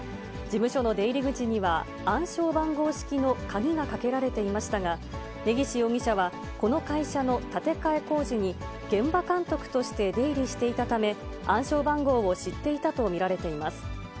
事務所の出入り口には、暗証番号式の鍵がかけられていましたが、根岸容疑者はこの会社の建て替え工事に現場監督として出入りしていたため、暗証番号を知っていたと見られています。